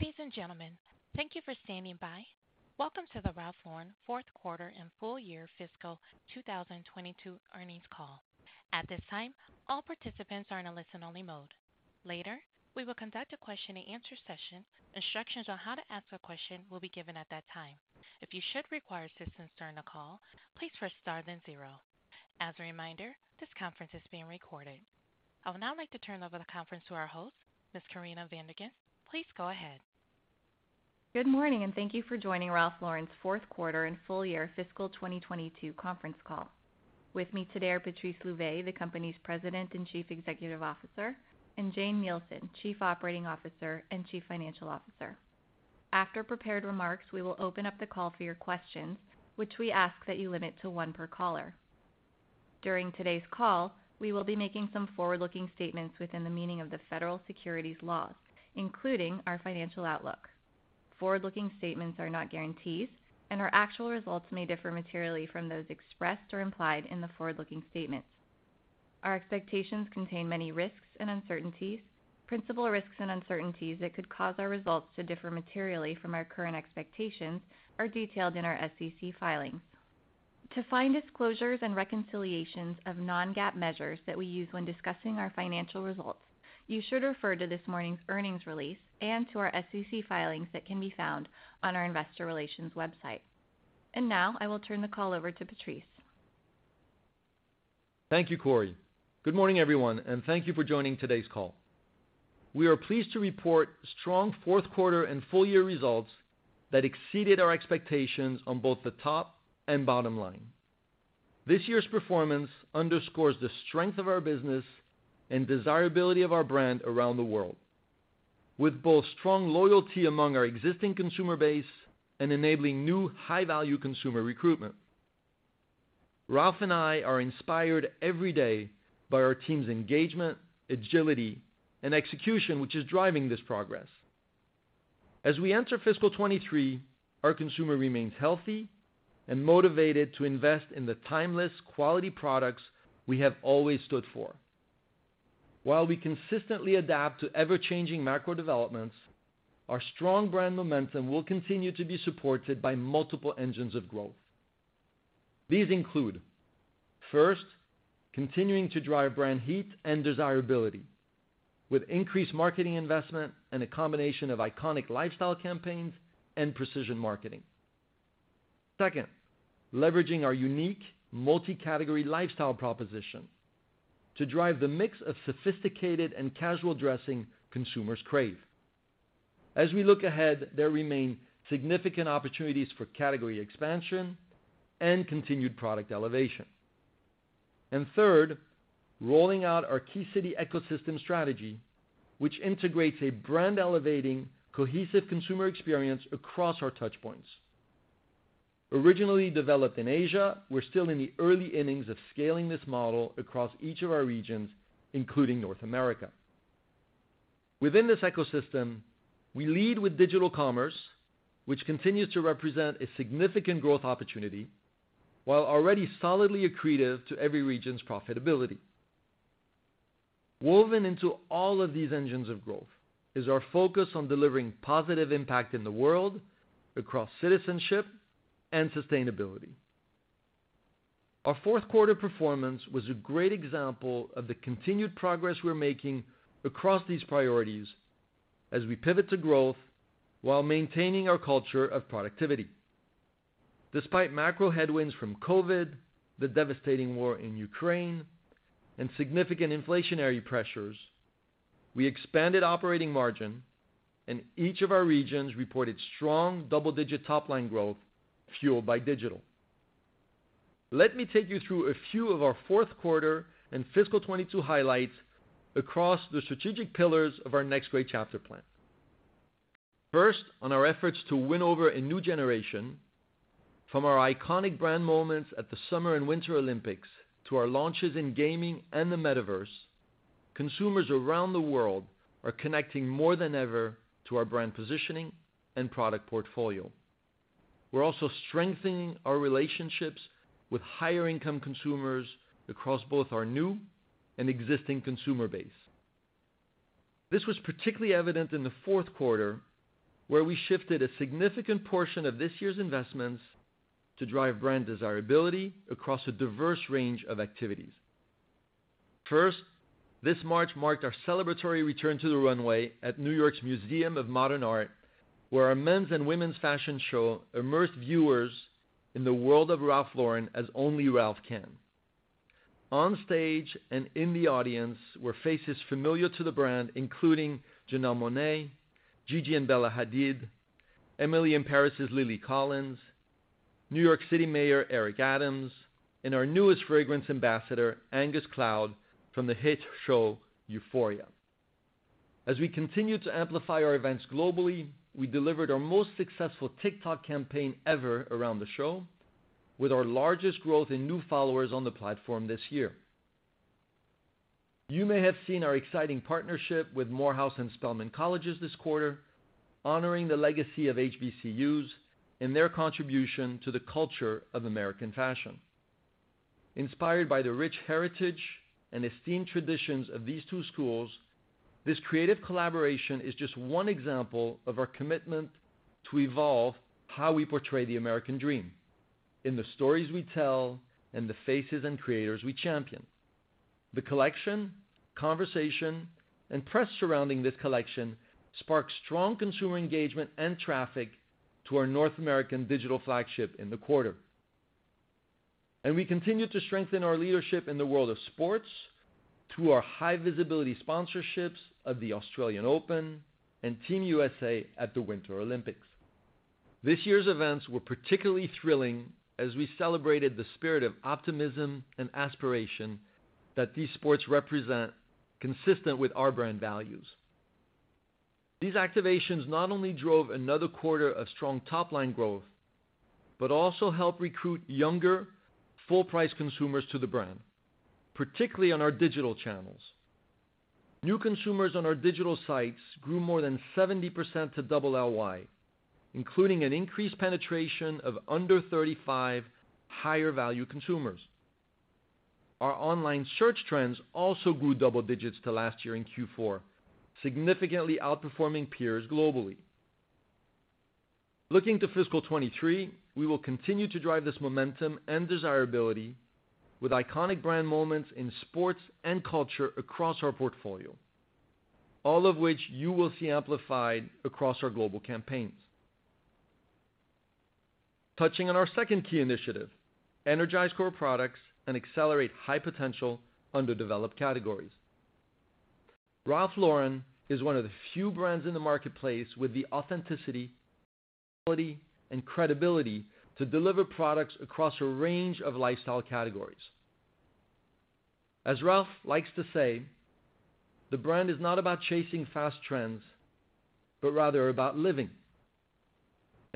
Ladies and gentlemen, thank you for standing by. Welcome to the Ralph Lauren fourth quarter and full year fiscal 2022 earnings call. At this time, all participants are in a listen-only mode. Later, we will conduct a question and answer session. Instructions on how to ask a question will be given at that time. If you should require assistance during the call, please press Star then zero. As a reminder, this conference is being recorded. I would now like to turn over the conference to our host, Ms. Corinna Van der Ghinst. Please go ahead. Good morning, and thank you for joining Ralph Lauren's fourth quarter and full year fiscal 2022 conference call. With me today are Patrice Louvet, the company's President and Chief Executive Officer, and Jane Nielsen, Chief Operating Officer and Chief Financial Officer. After prepared remarks, we will open up the call for your questions, which we ask that you limit to one per caller. During today's call, we will be making some forward-looking statements within the meaning of the federal securities laws, including our financial outlook. Forward-looking statements are not guarantees, and our actual results may differ materially from those expressed or implied in the forward-looking statements. Our expectations contain many risks and uncertainties. Principal risks and uncertainties that could cause our results to differ materially from our current expectations are detailed in our SEC filings. To find disclosures and reconciliations of non-GAAP measures that we use when discussing our financial results, you should refer to this morning's earnings release and to our SEC filings that can be found on our investor relations website. Now, I will turn the call over to Patrice. Thank you, Cori. Good morning, everyone, and thank you for joining today's call. We are pleased to report strong fourth quarter and full year results that exceeded our expectations on both the top and bottom line. This year's performance underscores the strength of our business and desirability of our brand around the world, with both strong loyalty among our existing consumer base and enabling new high-value consumer recruitment. Ralph and I are inspired every day by our team's engagement, agility, and execution which is driving this progress. As we enter fiscal 2023, our consumer remains healthy and motivated to invest in the timeless quality products we have always stood for. While we consistently adapt to ever-changing macro developments, our strong brand momentum will continue to be supported by multiple engines of growth. These include, first, continuing to drive brand heat and desirability with increased marketing investment and a combination of iconic lifestyle campaigns and precision marketing. Second, leveraging our unique multi-category lifestyle proposition to drive the mix of sophisticated and casual dressing consumers crave. As we look ahead, there remain significant opportunities for category expansion and continued product elevation. Third, rolling out our key city ecosystem strategy, which integrates a brand-elevating, cohesive consumer experience across our touch points. Originally developed in Asia, we're still in the early innings of scaling this model across each of our regions, including North America. Within this ecosystem, we lead with digital commerce, which continues to represent a significant growth opportunity, while already solidly accretive to every region's profitability. Woven into all of these engines of growth is our focus on delivering positive impact in the world across citizenship and sustainability. Our fourth quarter performance was a great example of the continued progress we're making across these priorities as we pivot to growth while maintaining our culture of productivity. Despite macro headwinds from COVID, the devastating war in Ukraine, and significant inflationary pressures, we expanded operating margin, and each of our regions reported strong double-digit top-line growth fueled by digital. Let me take you through a few of our fourth quarter and fiscal 2022 highlights across the strategic pillars of our Next Great Chapter plan. First, on our efforts to win over a new generation from our iconic brand moments at the Summer and Winter Olympics to our launches in gaming and the metaverse, consumers around the world are connecting more than ever to our brand positioning and product portfolio. We're also strengthening our relationships with higher income consumers across both our new and existing consumer base. This was particularly evident in the fourth quarter, where we shifted a significant portion of this year's investments to drive brand desirability across a diverse range of activities. First, this March marked our celebratory return to the runway at New York's Museum of Modern Art, where our men's and women's fashion show immersed viewers in the world of Ralph Lauren as only Ralph can. Onstage and in the audience were faces familiar to the brand, including Janelle Monáe, Gigi and Bella Hadid, Emily in Paris's Lily Collins, New York City Mayor Eric Adams, and our newest fragrance ambassador, Angus Cloud from the hit show Euphoria. As we continue to amplify our events globally, we delivered our most successful TikTok campaign ever around the show with our largest growth in new followers on the platform this year. You may have seen our exciting partnership with Morehouse and Spelman Colleges this quarter, honoring the legacy of HBCUs and their contribution to the culture of American fashion. Inspired by the rich heritage and esteemed traditions of these two schools, this creative collaboration is just one example of our commitment to evolve how we portray the American dream in the stories we tell and the faces and creators we champion. The collection, conversation, and press surrounding this collection sparked strong consumer engagement and traffic to our North American digital flagship in the quarter. We continue to strengthen our leadership in the world of sports through our high visibility sponsorships of the Australian Open and Team USA at the Winter Olympics. This year's events were particularly thrilling as we celebrated the spirit of optimism and aspiration that these sports represent consistent with our brand values. These activations not only drove another quarter of strong top-line growth, but also helped recruit younger, full price consumers to the brand, particularly on our digital channels. New consumers on our digital sites grew more than 70% to double LY, including an increased penetration of under 35 higher value consumers. Our online search trends also grew double digits to last year in Q4, significantly outperforming peers globally. Looking to fiscal 2023, we will continue to drive this momentum and desirability with iconic brand moments in sports and culture across our portfolio, all of which you will see amplified across our global campaigns. Touching on our second key initiative, energize core products and accelerate high potential under-developed categories. Ralph Lauren is one of the few brands in the marketplace with the authenticity, quality, and credibility to deliver products across a range of lifestyle categories. As Ralph likes to say, the brand is not about chasing fast trends, but rather about living.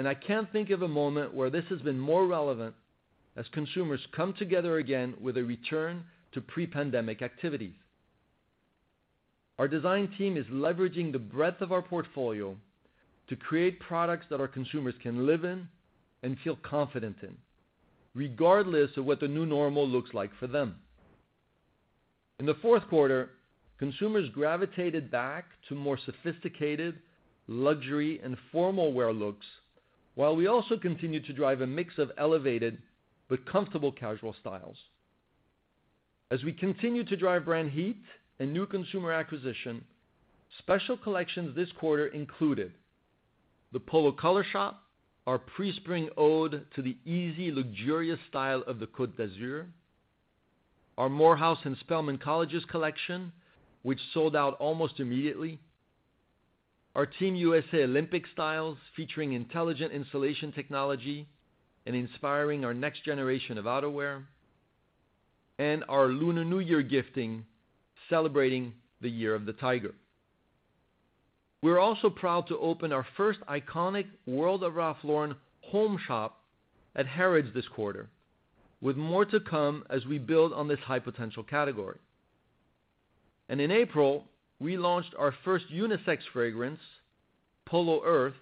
I can't think of a moment where this has been more relevant as consumers come together again with a return to pre-pandemic activities. Our design team is leveraging the breadth of our portfolio to create products that our consumers can live in and feel confident in, regardless of what the new normal looks like for them. In the fourth quarter, consumers gravitated back to more sophisticated luxury and formal wear looks, while we also continued to drive a mix of elevated but comfortable casual styles. As we continue to drive brand heat and new consumer acquisition, special collections this quarter included the Polo Color Shop, our pre-spring ode to the easy, luxurious style of the Côte d'Azur, our Morehouse and Spelman Colleges collection, which sold out almost immediately, our Team USA Olympic styles featuring intelligent insulation technology and inspiring our next generation of outerwear, and our Lunar New Year gifting celebrating the year of the tiger. We're also proud to open our first iconic world of Ralph Lauren Home shop at Harrods this quarter, with more to come as we build on this high potential category. In April, we launched our first unisex fragrance, Polo Earth,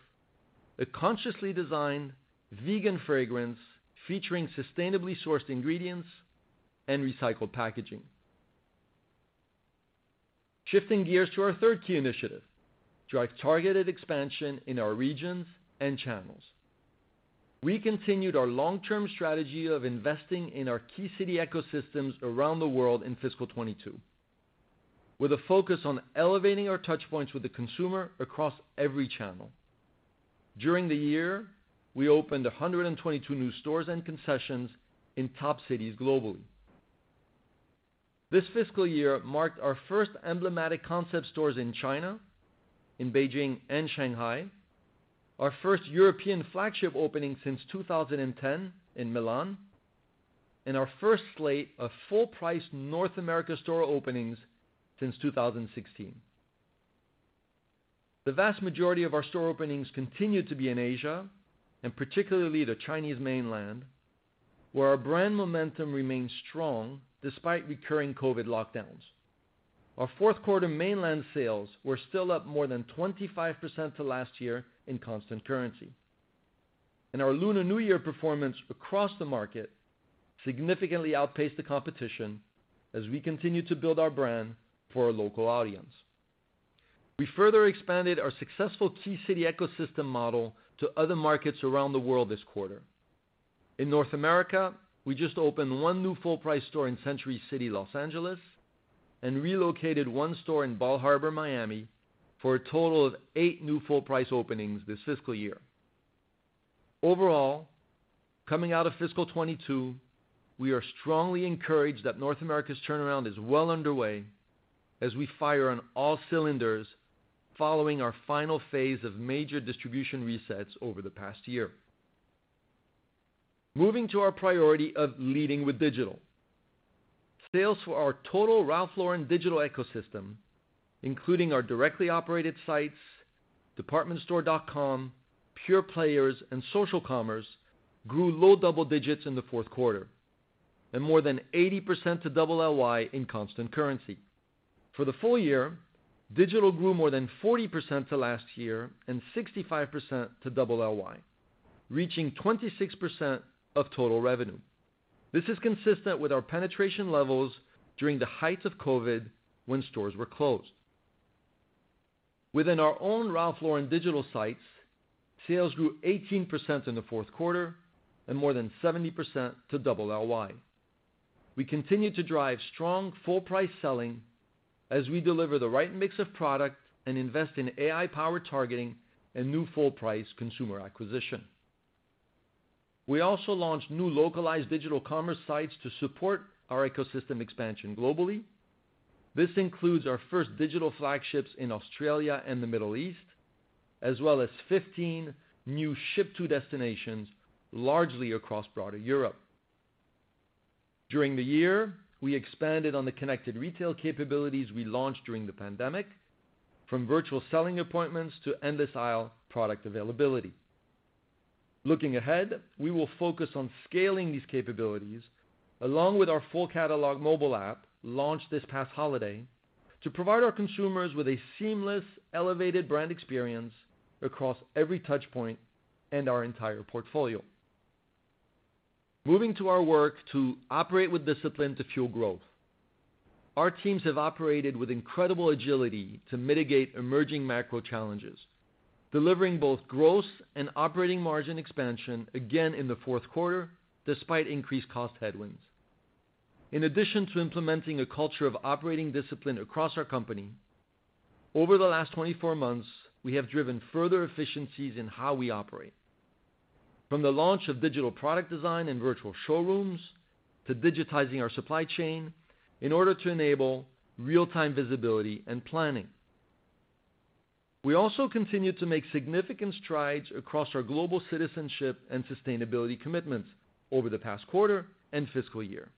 a consciously designed vegan fragrance featuring sustainably sourced ingredients and recycled packaging. Shifting gears to our third key initiative, drive targeted expansion in our regions and channels. We continued our long-term strategy of investing in our key city ecosystems around the world in fiscal 2022, with a focus on elevating our touch points with the consumer across every channel. During the year, we opened 122 new stores and concessions in top cities globally. This fiscal year marked our first emblematic concept stores in China, in Beijing and Shanghai, our first European flagship opening since 2010 in Milan, and our first slate of full price North America store openings since 2016. The vast majority of our store openings continued to be in Asia, and particularly the Chinese mainland, where our brand momentum remains strong despite recurring COVID lockdowns. Our fourth quarter mainland sales were still up more than 25% to last year in constant currency. Our Lunar New Year performance across the market significantly outpaced the competition as we continue to build our brand for our local audience. We further expanded our successful key city ecosystem model to other markets around the world this quarter. In North America, we just opened one new full price store in Century City, Los Angeles, and relocated one store in Bal Harbour, Miami, for a total of eight new full price openings this fiscal year. Overall, coming out of fiscal 2022, we are strongly encouraged that North America's turnaround is well underway as we fire on all cylinders following our final phase of major distribution resets over the past year. Moving to our priority of leading with digital. Sales for our total Ralph Lauren digital ecosystem, including our directly operated sites, departmentstore.com, pure-play, and social commerce, grew low double digits in the fourth quarter and more than 80% two-year in constant currency. For the full year, digital grew more than 40% over last year and 65% two-year, reaching 26% of total revenue. This is consistent with our penetration levels during the height of COVID when stores were closed. Within our own Ralph Lauren digital sites, sales grew 18% in the fourth quarter and more than 70% two-year. We continue to drive strong full-price selling as we deliver the right mix of product and invest in AI-powered targeting and new full-price consumer acquisition. We also launched new localized digital commerce sites to support our ecosystem expansion globally. This includes our first digital flagships in Australia and the Middle East, as well as 15 new ship to destinations, largely across broader Europe. During the year, we expanded on the connected retail capabilities we launched during the pandemic, from virtual selling appointments to endless aisle product availability. Looking ahead, we will focus on scaling these capabilities along with our full catalog mobile app launched this past holiday to provide our consumers with a seamless, elevated brand experience across every touch point and our entire portfolio. Moving to our work to operate with discipline to fuel growth. Our teams have operated with incredible agility to mitigate emerging macro challenges, delivering both gross and operating margin expansion again in the fourth quarter, despite increased cost headwinds. In addition to implementing a culture of operating discipline across our company, over the last 24 months, we have driven further efficiencies in how we operate. From the launch of digital product design and virtual showrooms to digitizing our supply chain in order to enable real-time visibility and planning. We also continue to make significant strides across our global citizenship and sustainability commitments over the past quarter and fiscal year.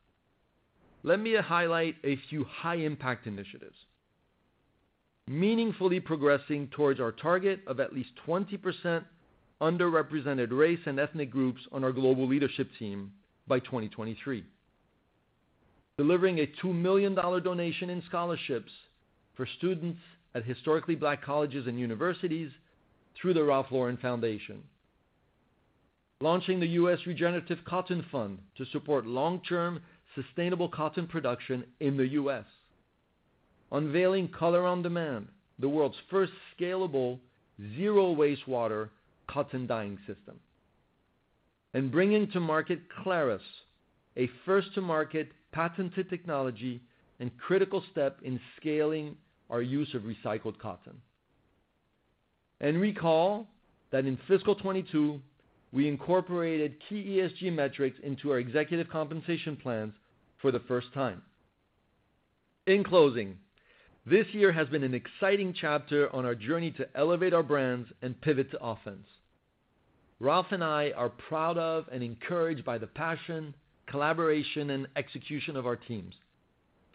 Let me highlight a few high impact initiatives. Meaningfully progressing towards our target of at least 20% underrepresented race and ethnic groups on our global leadership team by 2023. Delivering a $2 million donation in scholarships for students at Historically Black Colleges and Universities through the Ralph Lauren Foundation. Launching the U.S. Regenerative Cotton Fund to support long-term sustainable cotton production in the U.S. Unveiling Color on Demand, the world's first scalable zero wastewater cotton dyeing system. Bringing to market CLARUS, a first to market patented technology and critical step in scaling our use of recycled cotton. Recall that in fiscal 2022, we incorporated key ESG metrics into our executive compensation plans for the first time. In closing, this year has been an exciting chapter on our journey to elevate our brands and pivot to offense. Ralph and I are proud of and encouraged by the passion, collaboration, and execution of our teams.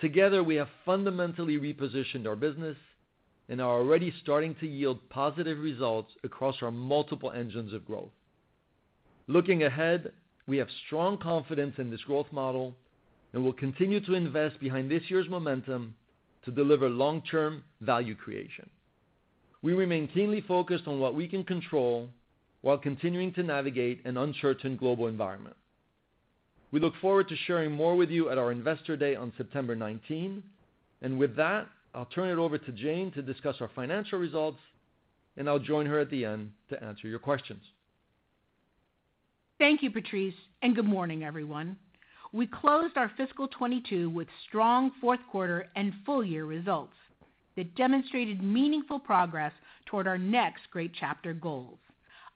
Together, we have fundamentally repositioned our business and are already starting to yield positive results across our multiple engines of growth. Looking ahead, we have strong confidence in this growth model, and we'll continue to invest behind this year's momentum to deliver long-term value creation. We remain keenly focused on what we can control while continuing to navigate an uncertain global environment. We look forward to sharing more with you at our Investor Day on September 19. With that, I'll turn it over to Jane to discuss our financial results, and I'll join her at the end to answer your questions. Thank you, Patrice, and good morning, everyone. We closed our fiscal 2022 with strong fourth quarter and full year results that demonstrated meaningful progress toward our Next Great Chapter goals,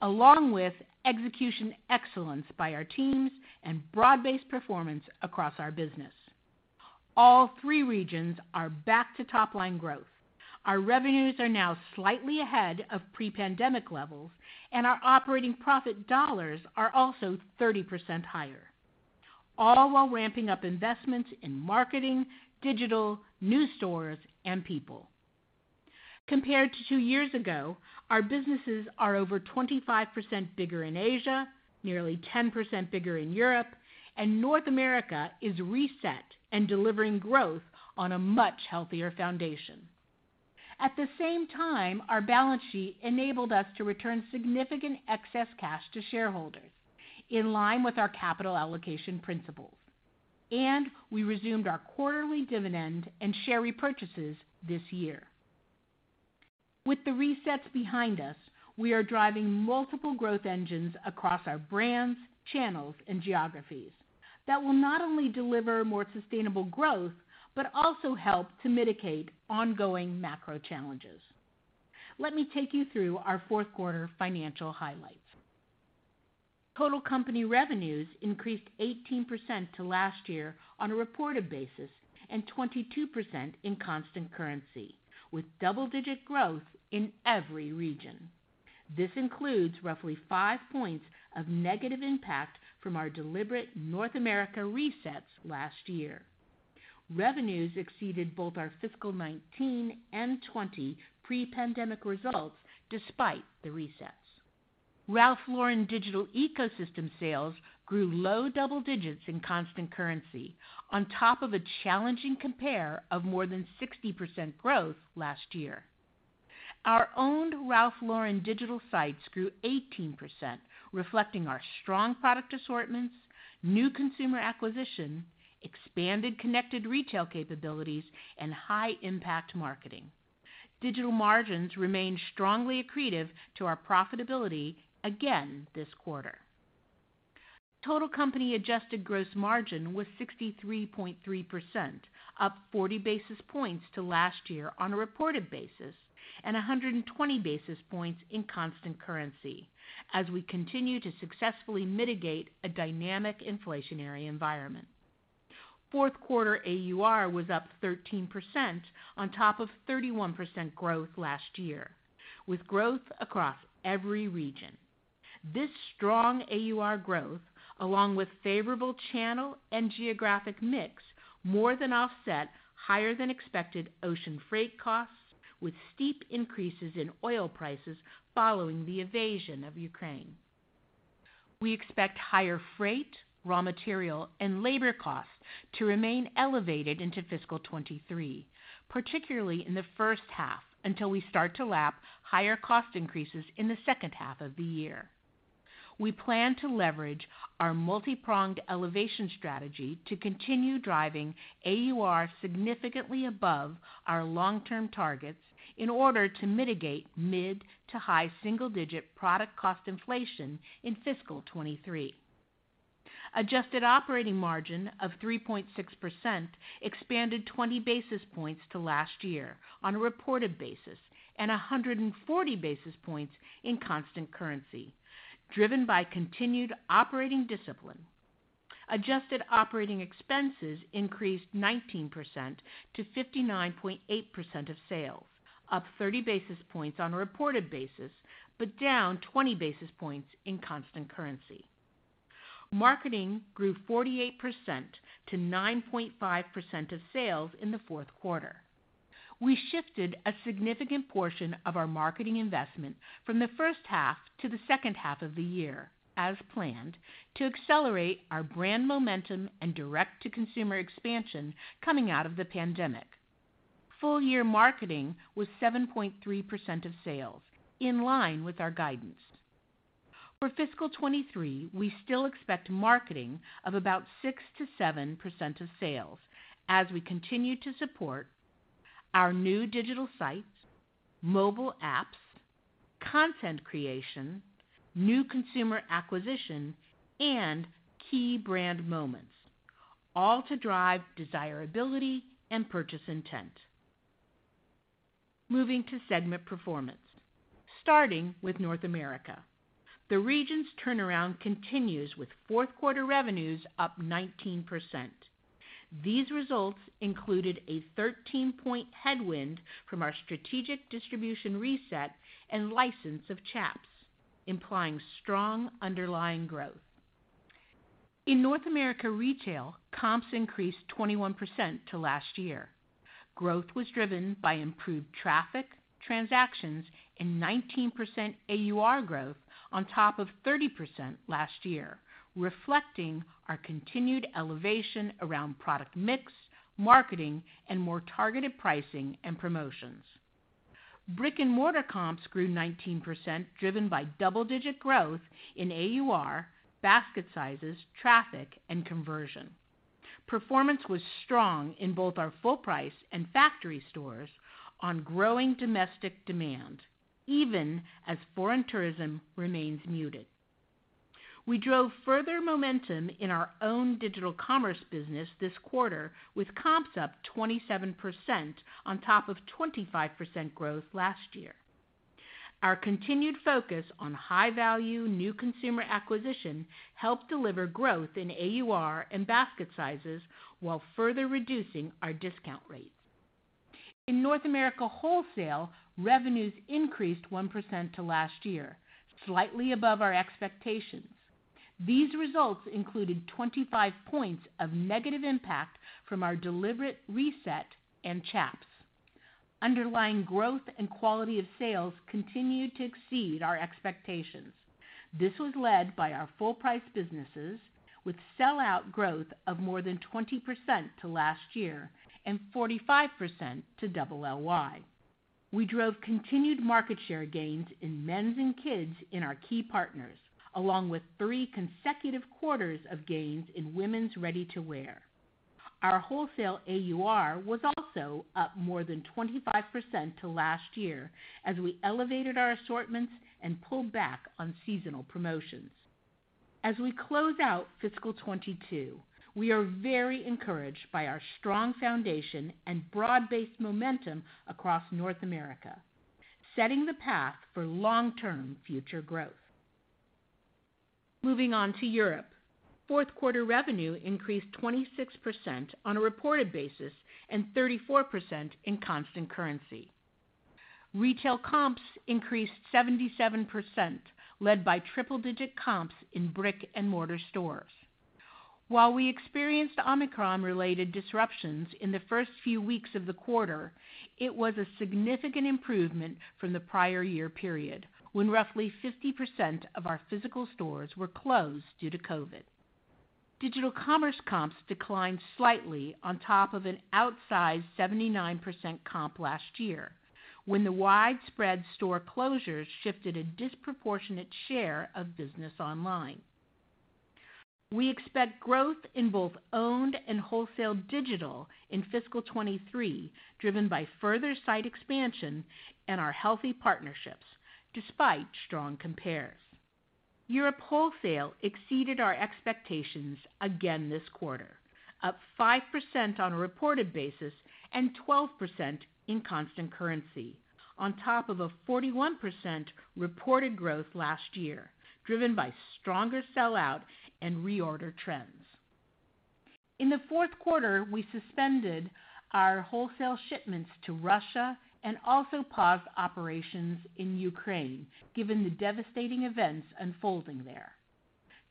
along with execution excellence by our teams and broad-based performance across our business. All three regions are back to top-line growth. Our revenues are now slightly ahead of pre-pandemic levels, and our operating profit dollars are also 30% higher, all while ramping up investments in marketing, digital, new stores, and people. Compared to two years ago, our businesses are over 25% bigger in Asia, nearly 10% bigger in Europe, and North America is reset and delivering growth on a much healthier foundation. At the same time, our balance sheet enabled us to return significant excess cash to shareholders in line with our capital allocation principles, and we resumed our quarterly dividend and share repurchases this year. With the resets behind us, we are driving multiple growth engines across our brands, channels, and geographies that will not only deliver more sustainable growth, but also help to mitigate ongoing macro challenges. Let me take you through our fourth quarter financial highlights. Total company revenues increased 18% to last year on a reported basis and 22% in constant currency, with double-digit growth in every region. This includes roughly five points of negative impact from our deliberate North America resets last year. Revenues exceeded both our fiscal 2019 and 2020 pre-pandemic results despite the resets. Ralph Lauren digital ecosystem sales grew low double digits in constant currency on top of a challenging compare of more than 60% growth last year. Our owned Ralph Lauren digital sites grew 18%, reflecting our strong product assortments, new consumer acquisition, expanded connected retail capabilities, and high impact marketing. Digital margins remained strongly accretive to our profitability again this quarter. Total company adjusted gross margin was 63.3%, up 40 basis points to last year on a reported basis, and 120 basis points in constant currency as we continue to successfully mitigate a dynamic inflationary environment. Fourth quarter AUR was up 13% on top of 31% growth last year, with growth across every region. This strong AUR growth, along with favorable channel and geographic mix, more than offset higher than expected ocean freight costs with steep increases in oil prices following the invasion of Ukraine. We expect higher freight, raw material, and labor costs to remain elevated into fiscal 2023, particularly in the first half, until we start to lap higher cost increases in the second half of the year. We plan to leverage our multi-pronged elevation strategy to continue driving AUR significantly above our long-term targets in order to mitigate mid- to high-single-digit product cost inflation in fiscal 2023. Adjusted operating margin of 3.6% expanded 20 basis points to last year on a reported basis and 140 basis points in constant currency, driven by continued operating discipline. Adjusted operating expenses increased 19% to 59.8% of sales, up 30 basis points on a reported basis, but down 20 basis points in constant currency. Marketing grew 48% to 9.5% of sales in the fourth quarter. We shifted a significant portion of our marketing investment from the first half to the second half of the year as planned to accelerate our brand momentum and direct to consumer expansion coming out of the pandemic. Full year marketing was 7.3% of sales, in line with our guidance. For fiscal 2023, we still expect marketing of about 6%-7% of sales as we continue to support our new digital sites, mobile apps, content creation, new consumer acquisition, and key brand moments, all to drive desirability and purchase intent. Moving to segment performance, starting with North America. The region's turnaround continues with fourth quarter revenues up 19%. These results included a 13-point headwind from our strategic distribution reset and license of Chaps, implying strong underlying growth. In North America retail, comps increased 21% to last year. Growth was driven by improved traffic, transactions, and 19% AUR growth on top of 30% last year, reflecting our continued elevation around product mix, marketing, and more targeted pricing and promotions. Brick-and-mortar comps grew 19%, driven by double-digit growth in AUR, basket sizes, traffic, and conversion. Performance was strong in both our full price and factory stores on growing domestic demand, even as foreign tourism remains muted. We drove further momentum in our own digital commerce business this quarter with comps up 27% on top of 25% growth last year. Our continued focus on high-value new consumer acquisition helped deliver growth in AUR and basket sizes while further reducing our discount rates. In North America wholesale, revenues increased 1% to last year, slightly above our expectations. These results included 25 points of negative impact from our deliberate reset and Chaps. Underlying growth and quality of sales continued to exceed our expectations. This was led by our full price businesses with sell-out growth of more than 20% to last year and 45% to double LY. We drove continued market share gains in men's and kids in our key partners, along with three consecutive quarters of gains in women's ready-to-wear. Our wholesale AUR was also up more than 25% to last year as we elevated our assortments and pulled back on seasonal promotions. As we close out fiscal 2022, we are very encouraged by our strong foundation and broad-based momentum across North America, setting the path for long-term future growth. Moving on to Europe. Fourth quarter revenue increased 26% on a reported basis and 34% in constant currency. Retail comps increased 77%, led by triple-digit comps in brick-and-mortar stores. While we experienced Omicron-related disruptions in the first few weeks of the quarter, it was a significant improvement from the prior year period, when roughly 50% of our physical stores were closed due to COVID. Digital commerce comps declined slightly on top of an outsized 79% comp last year, when the widespread store closures shifted a disproportionate share of business online. We expect growth in both owned and wholesale digital in fiscal 2023, driven by further site expansion and our healthy partnerships despite strong compares. Europe wholesale exceeded our expectations again this quarter, up 5% on a reported basis and 12% in constant currency on top of a 41% reported growth last year, driven by stronger sell-out and reorder trends. In the fourth quarter, we suspended our wholesale shipments to Russia and also paused operations in Ukraine, given the devastating events unfolding there.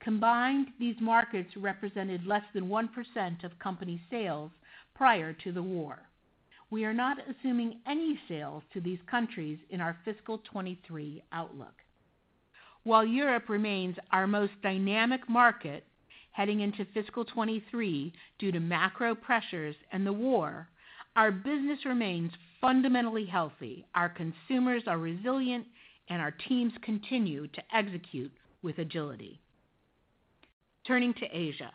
Combined, these markets represented less than 1% of company sales prior to the war. We are not assuming any sales to these countries in our fiscal 2023 outlook. While Europe remains our most dynamic market heading into fiscal 23 due to macro pressures and the war, our business remains fundamentally healthy. Our consumers are resilient, and our teams continue to execute with agility. Turning to Asia.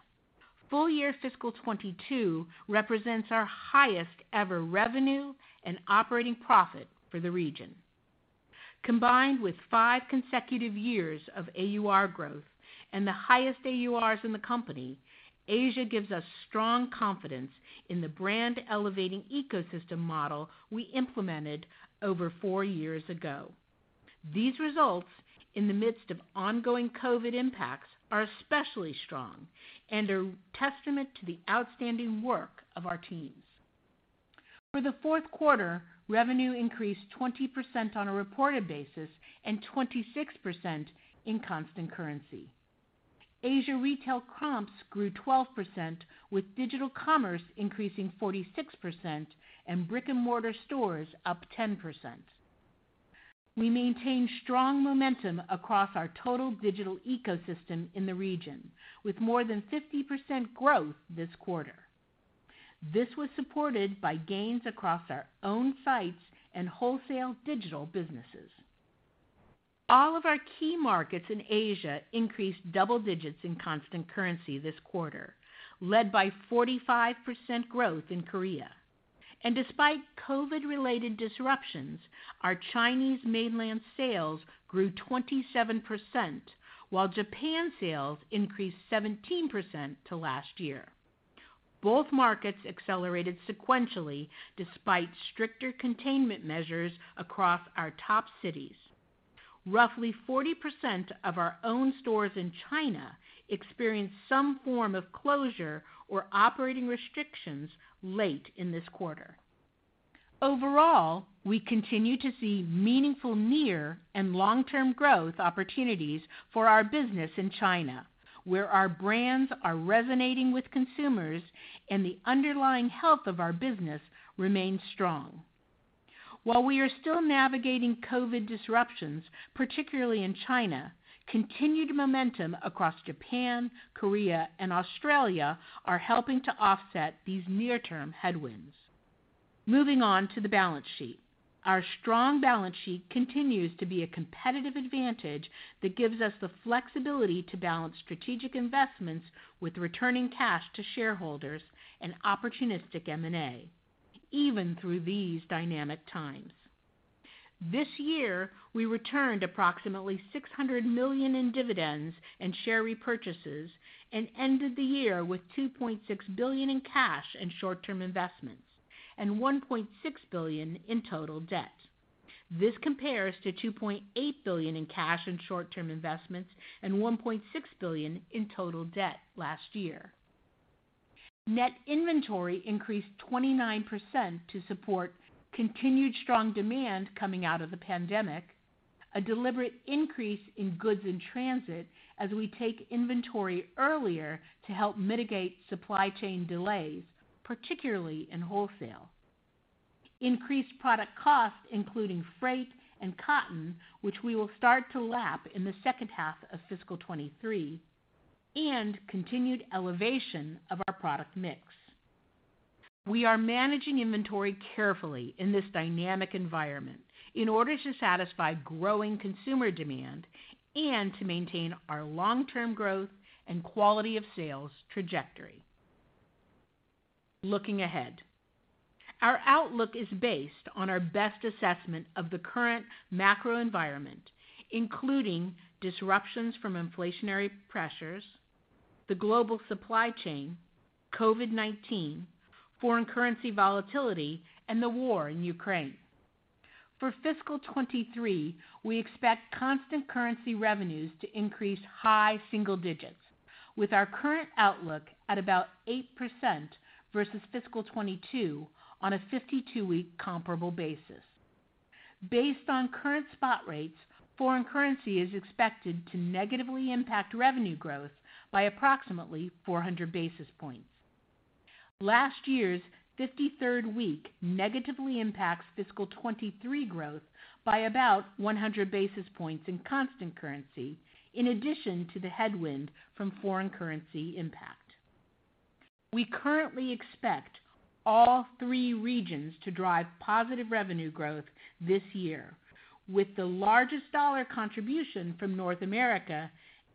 Full year fiscal 2022 represents our highest ever revenue and operating profit for the region. Combined with five consecutive years of AUR growth and the highest AURs in the company, Asia gives us strong confidence in the brand elevating ecosystem model we implemented over four years ago. These results in the midst of ongoing COVID impacts are especially strong and are testament to the outstanding work of our teams. For the fourth quarter, revenue increased 20% on a reported basis and 26% in constant currency. Asia retail comps grew 12%, with digital commerce increasing 46% and brick-and-mortar stores up 10%. We maintained strong momentum across our total digital ecosystem in the region with more than 50% growth this quarter. This was supported by gains across our own sites and wholesale digital businesses. All of our key markets in Asia increased double digits in constant currency this quarter, led by 45% growth in Korea. Despite COVID related disruptions, our Chinese mainland sales grew 27%, while Japan sales increased 17% from last year. Both markets accelerated sequentially despite stricter containment measures across our top cities. Roughly 40% of our own stores in China experienced some form of closure or operating restrictions late in this quarter. Overall, we continue to see meaningful near and long-term growth opportunities for our business in China, where our brands are resonating with consumers and the underlying health of our business remains strong. While we are still navigating COVID disruptions, particularly in China, continued momentum across Japan, Korea and Australia are helping to offset these near-term headwinds. Moving on to the balance sheet. Our strong balance sheet continues to be a competitive advantage that gives us the flexibility to balance strategic investments with returning cash to shareholders and opportunistic M&A, even through these dynamic times. This year, we returned approximately 600 million in dividends and share repurchases and ended the year with 2.6 billion in cash and short-term investments and 1.6 billion in total debt. This compares to 2.8 billion in cash and short-term investments and 1.6 billion in total debt last year. Net inventory increased 29% to support continued strong demand coming out of the pandemic, a deliberate increase in goods in transit as we take inventory earlier to help mitigate supply chain delays, particularly in wholesale. Increased product costs, including freight and cotton, which we will start to lap in the second half of fiscal 2023, and continued elevation of our product mix. We are managing inventory carefully in this dynamic environment in order to satisfy growing consumer demand and to maintain our long-term growth and quality of sales trajectory. Looking ahead. Our outlook is based on our best assessment of the current macro environment, including disruptions from inflationary pressures, the global supply chain, COVID-19, foreign currency volatility, and the war in Ukraine. For fiscal 2023, we expect constant currency revenues to increase high single digits, with our current outlook at about 8% versus fiscal 2022 on a 52-week comparable basis. Based on current spot rates, foreign currency is expected to negatively impact revenue growth by approximately 400 basis points. Last year's 53rd week negatively impacts fiscal 2023 growth by about 100 basis points in constant currency in addition to the headwind from foreign currency impact. We currently expect all three regions to drive positive revenue growth this year, with the largest dollar contribution from North America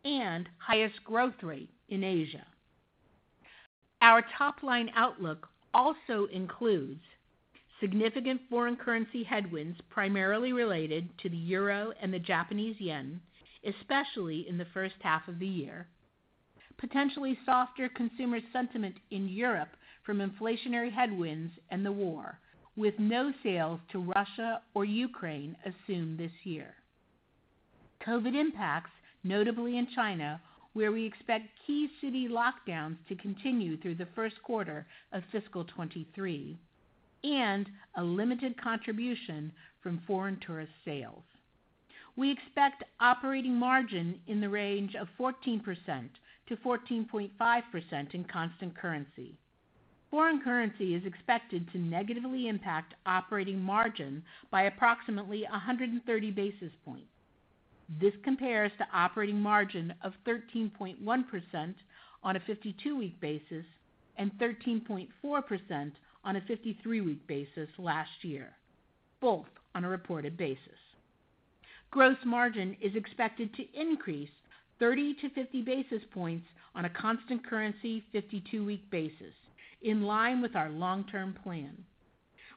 and highest growth rate in Asia. Our top-line outlook also includes significant foreign currency headwinds, primarily related to the euro and the Japanese yen, especially in the first half of the year. Potentially softer consumer sentiment in Europe from inflationary headwinds and the war with no sales to Russia or Ukraine assumed this year. COVID impacts, notably in China, where we expect key city lockdowns to continue through the first quarter of fiscal 2023 and a limited contribution from foreign tourist sales. We expect operating margin in the range of 14%-14.5% in constant currency. Foreign currency is expected to negatively impact operating margin by approximately 130 basis points. This compares to operating margin of 13.1% on a 52-week basis, and 13.4% on a 52-week basis last year, both on a reported basis. Gross margin is expected to increase 30-50 basis points on a constant currency 52-week basis in line with our long-term plan.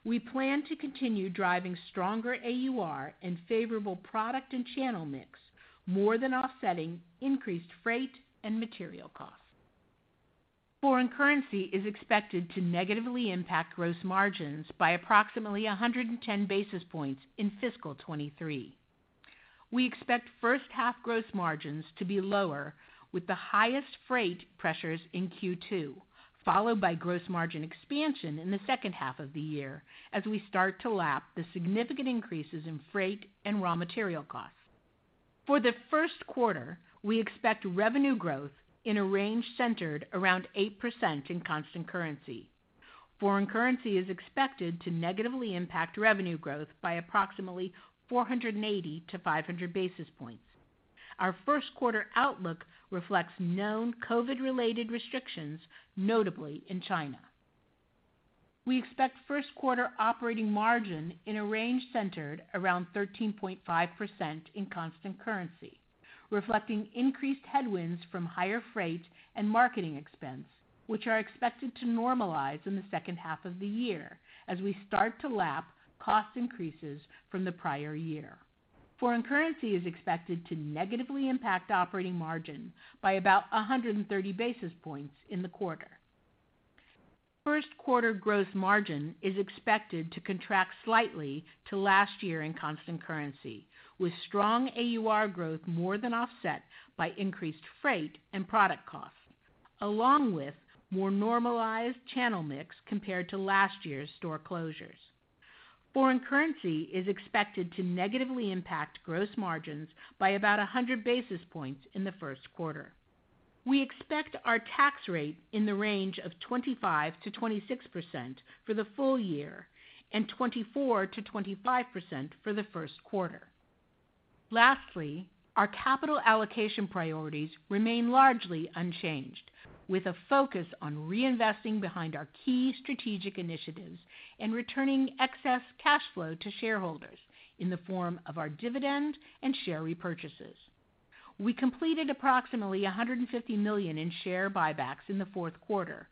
We plan to continue driving stronger AUR and favorable product and channel mix, more than offsetting increased freight and material costs. Foreign currency is expected to negatively impact gross margins by approximately 110 basis points in fiscal 2023. We expect first half gross margins to be lower, with the highest freight pressures in Q2, followed by gross margin expansion in the second half of the year as we start to lap the significant increases in freight and raw material costs. For the first quarter, we expect revenue growth in a range centered around 8% in constant currency. Foreign currency is expected to negatively impact revenue growth by approximately 480-500 basis points. Our first quarter outlook reflects known COVID-related restrictions, notably in China. We expect first quarter operating margin in a range centered around 13.5% in constant currency, reflecting increased headwinds from higher freight and marketing expense, which are expected to normalize in the second half of the year as we start to lap cost increases from the prior year. Foreign currency is expected to negatively impact operating margin by about 130 basis points in the quarter. First quarter gross margin is expected to contract slightly to last year in constant currency, with strong AUR growth more than offset by increased freight and product costs, along with more normalized channel mix compared to last year's store closures. Foreign currency is expected to negatively impact gross margins by about 100 basis points in the first quarter. We expect our tax rate in the range of 25%-26% for the full year and 24%-25% for the first quarter. Lastly, our capital allocation priorities remain largely unchanged, with a focus on reinvesting behind our key strategic initiatives and returning excess cash flow to shareholders in the form of our dividend and share repurchases. We completed approximately 150 million in share buybacks in the fourth quarter,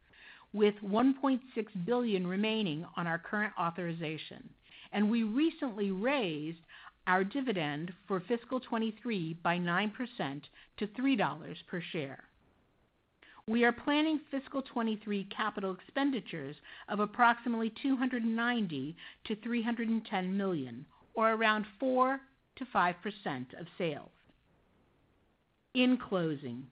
with 1.6 billion remaining on our current authorization, and we recently raised our dividend for fiscal 2023 by 9% to $3 per share. We are planning fiscal 2023 capital expenditures of approximately 290 million-310 million, or around 4%-5% of sales. In closing,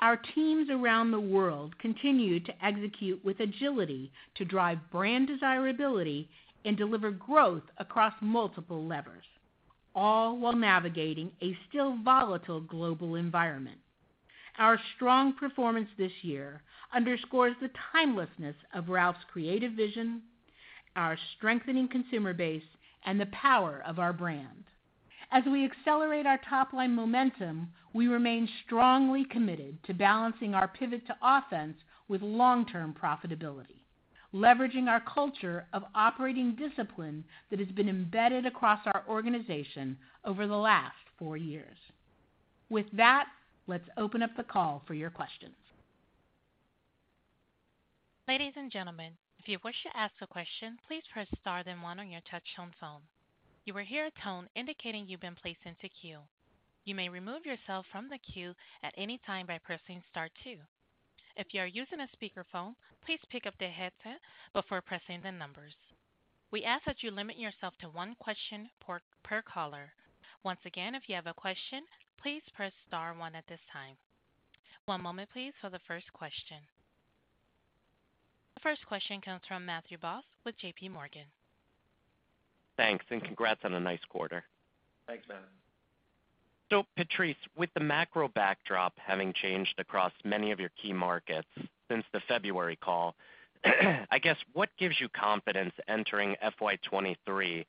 our teams around the world continue to execute with agility to drive brand desirability and deliver growth across multiple levers, all while navigating a still volatile global environment. Our strong performance this year underscores the timelessness of Ralph's creative vision, our strengthening consumer base, and the power of our brand. As we accelerate our top-line momentum, we remain strongly committed to balancing our pivot to offense with long-term profitability, leveraging our culture of operating discipline that has been embedded across our organization over the last four years. With that, let's open up the call for your questions. Ladies and gentlemen, if you wish to ask a question, please press star then one on your touchtone phone. You will hear a tone indicating you've been placed into queue. You may remove yourself from the queue at any time by pressing star two. If you are using a speakerphone, please pick up the headset before pressing the numbers. We ask that you limit yourself to one question per caller. Once again, if you have a question, please press star one at this time. One moment please for the first question. The first question comes from Matthew Boss with J.P. Morgan. Thanks, and congrats on a nice quarter. Thanks, Matt. Patrice, with the macro backdrop having changed across many of your key markets since the February call, I guess what gives you confidence entering FY 2023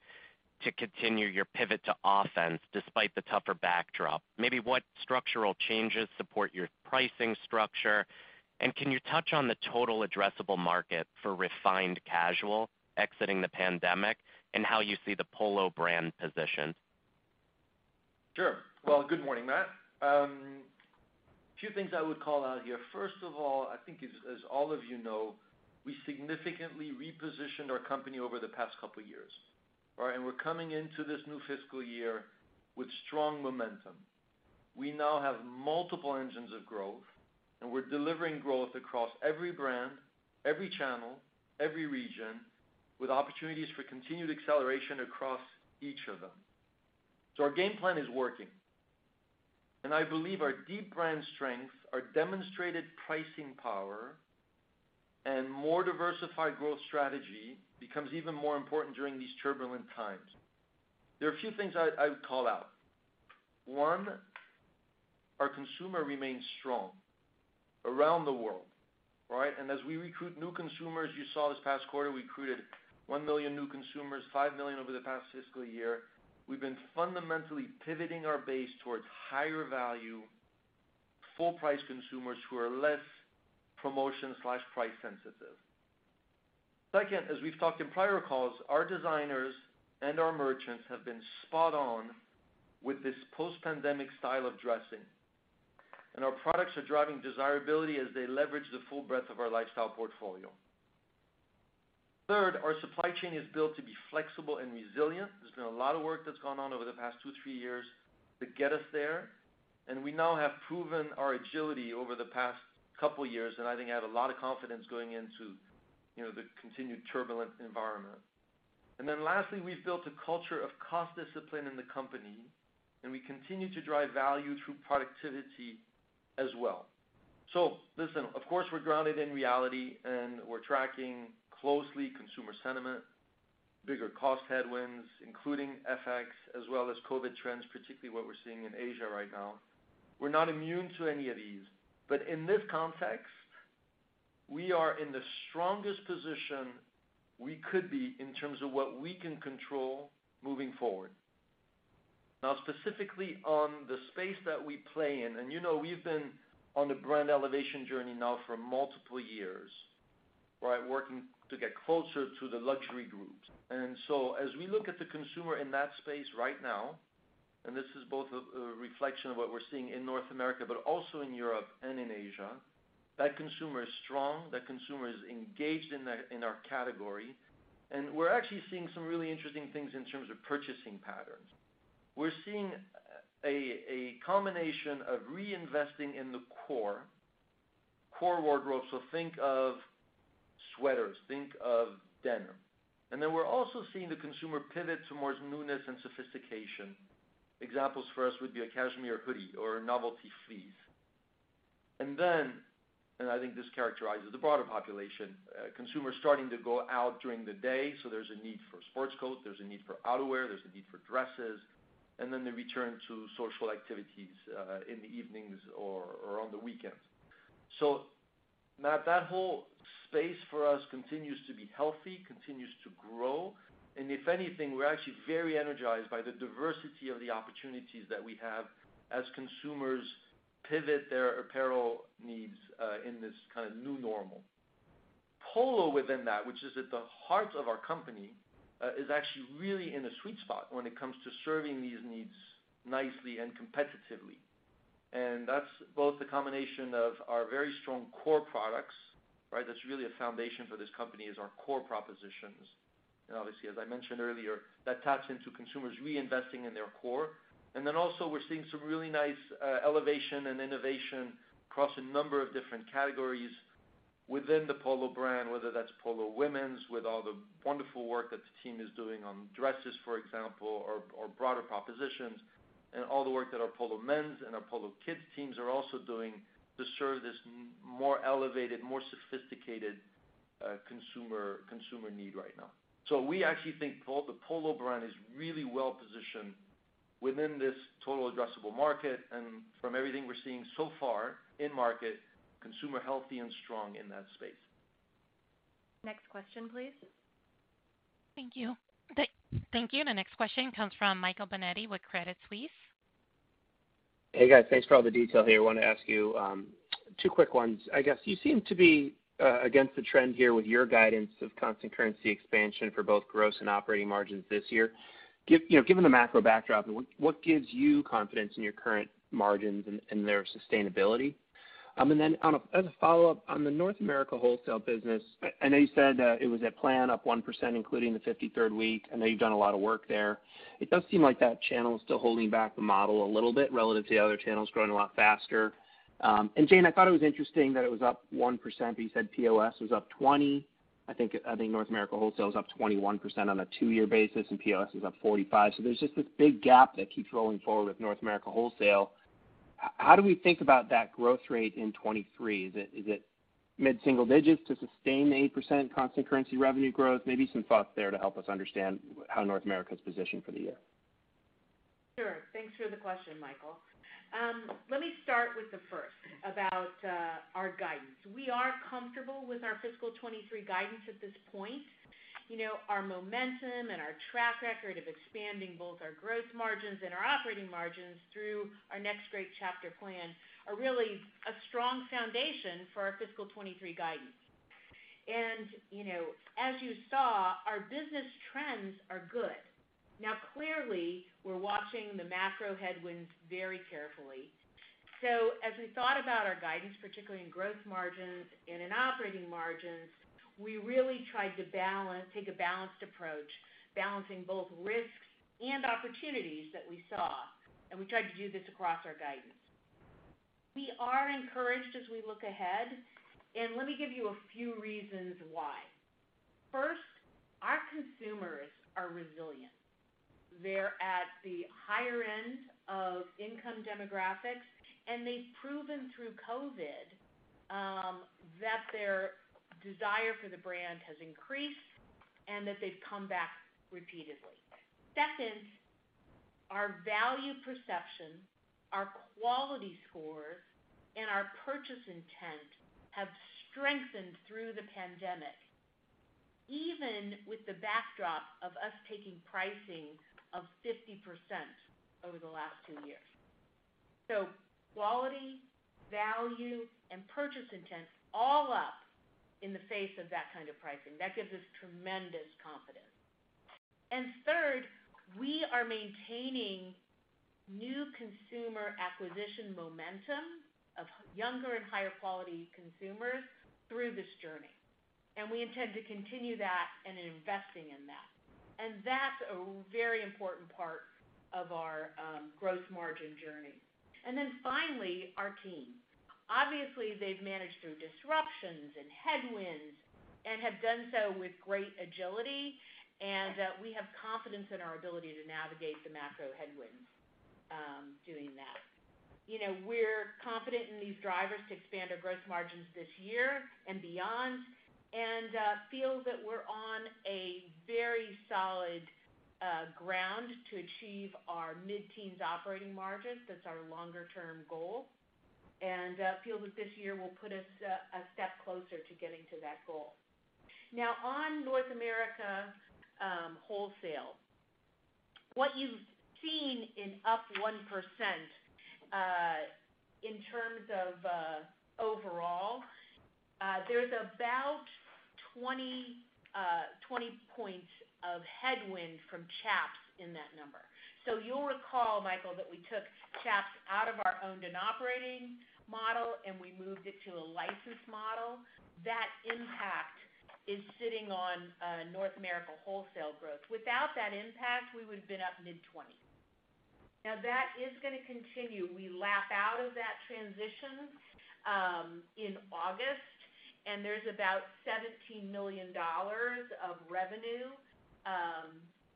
to continue your pivot to offense despite the tougher backdrop? Maybe what structural changes support your pricing structure? And can you touch on the total addressable market for refined casual exiting the pandemic and how you see the Polo brand positioned? Sure. Well, good morning, Matt. Few things I would call out here. First of all, I think as all of you know, we significantly repositioned our company over the past couple years, right? We're coming into this new fiscal year with strong momentum. We now have multiple engines of growth, and we're delivering growth across every brand, every channel, every region with opportunities for continued acceleration across each of them. Our game plan is working. I believe our deep brand strength, our demonstrated pricing power, and more diversified growth strategy becomes even more important during these turbulent times. There are a few things I would call out. One, our consumer remains strong around the world, right? As we recruit new consumers, you saw this past quarter, we recruited 1 million new consumers, 5 million over the past fiscal year. We've been fundamentally pivoting our base towards higher value, full price consumers who are less promotion/price sensitive. Second, as we've talked in prior calls, our designers and our merchants have been spot on with this post-pandemic style of dressing, and our products are driving desirability as they leverage the full breadth of our lifestyle portfolio. Third, our supply chain is built to be flexible and resilient. There's been a lot of work that's gone on over the past two, three years to get us there. We now have proven our agility over the past couple years, and I think I have a lot of confidence going into, you know, the continued turbulent environment. Lastly, we've built a culture of cost discipline in the company, and we continue to drive value through productivity as well. Listen, of course, we're grounded in reality and we're tracking closely consumer sentiment, bigger cost headwinds, including FX as well as COVID trends, particularly what we're seeing in Asia right now. We're not immune to any of these, but in this context, we are in the strongest position we could be in terms of what we can control moving forward. Now, specifically on the space that we play in, and you know, we've been on the brand elevation journey now for multiple years, right? Working to get closer to the luxury group. As we look at the consumer in that space right now, and this is both a reflection of what we're seeing in North America, but also in Europe and in Asia, that consumer is strong, that consumer is engaged in our category. We're actually seeing some really interesting things in terms of purchasing patterns. We're seeing a combination of reinvesting in the core wardrobe. Think of sweaters, think of denim. Then we're also seeing the consumer pivot towards newness and sophistication. Examples for us would be a cashmere hoodie or novelty fleece. Then, I think this characterizes the broader population, consumers starting to go out during the day. There's a need for sports coats, there's a need for outerwear, there's a need for dresses, and then the return to social activities in the evenings or on the weekends. Matt, that whole space for us continues to be healthy, continues to grow. If anything, we're actually very energized by the diversity of the opportunities that we have as consumers pivot their apparel needs in this kind of new normal. Polo within that, which is at the heart of our company, is actually really in a sweet spot when it comes to serving these needs nicely and competitively. That's both a combination of our very strong core products, right? That's really a foundation for this company is our core propositions. Obviously, as I mentioned earlier, that taps into consumers reinvesting in their core. We're seeing some really nice elevation and innovation across a number of different categories within the Polo brand, whether that's Polo women's with all the wonderful work that the team is doing on dresses, for example, or broader propositions. All the work that our Polo men's and our Polo kids teams are also doing to serve this more elevated, more sophisticated consumer need right now. We actually think the Polo brand is really well positioned within this total addressable market. From everything we're seeing so far in market, consumer healthy and strong in that space. Next question, please. Thank you. Thank you. The next question comes from Michael Binetti with Credit Suisse. Hey guys. Thanks for all the detail here. I want to ask you two quick ones. I guess you seem to be against the trend here with your guidance of constant currency expansion for both gross and operating margins this year. Given the macro backdrop, what gives you confidence in your current margins and their sustainability? As a follow-up, on the North America wholesale business, I know you said it was at plan up 1%, including the 53rd week. I know you've done a lot of work there. It does seem like that channel is still holding back the model a little bit relative to the other channels growing a lot faster. Jane, I thought it was interesting that it was up 1%, but you said POS was up 20%. I think North America wholesale was up 21% on a two-year basis, and POS was up 45%. There's just this big gap that keeps rolling forward with North America wholesale. How do we think about that growth rate in 2023? Is it mid-single digits to sustain 8% constant currency revenue growth? Maybe some thoughts there to help us understand how North America is positioned for the year. Sure. Thanks for the question, Michael. Let me start with the first about our guidance. We are comfortable with our fiscal 2023 guidance at this point. You know, our momentum and our track record of expanding both our growth margins and our operating margins through our Next Great Chapter plan are really a strong foundation for our fiscal 2023 guidance. You know, as you saw, our business trends are good. Now, clearly, we're watching the macro headwinds very carefully. As we thought about our guidance, particularly in growth margins and in operating margins, we really tried to balance, take a balanced approach, balancing both risk and opportunities that we saw, and we tried to do this across our guidance. We are encouraged as we look ahead, and let me give you a few reasons why. First, our consumers are resilient. They're at the higher end of income demographics, and they've proven through COVID that their desire for the brand has increased and that they've come back repeatedly. Second, our value perception, our quality scores, and our purchase intent have strengthened through the pandemic, even with the backdrop of us taking pricing of 50% over the last two years. Quality, value, and purchase intent all up in the face of that kind of pricing. That gives us tremendous confidence. Third, we are maintaining new consumer acquisition momentum of younger and higher quality consumers through this journey. We intend to continue that and investing in that. That's a very important part of our growth margin journey. Finally, our team. Obviously, they've managed through disruptions and headwinds and have done so with great agility, and we have confidence in our ability to navigate the macro headwinds doing that. You know, we're confident in these drivers to expand our growth margins this year and beyond, and feel that we're on a very solid ground to achieve our mid-teens operating margins. That's our longer term goal, and feel that this year will put us a step closer to getting to that goal. Now on North America wholesale, what you've seen is up 1% in terms of overall, there's about 20 points of headwind from Chaps in that number. So you'll recall, Michael, that we took Chaps out of our owned and operating model, and we moved it to a licensed model. That impact is sitting on North America wholesale growth. Without that impact, we would have been up mid-20s%. Now that is going to continue. We lap out of that transition in August, and there's about $17 million of revenue